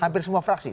hampir semua fraksi